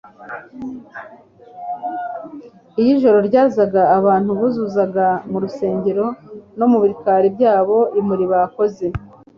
Iyo ijoro ryazaga abantu buzuzaga mu rusengero no mu bikari byaho imuri bakoze.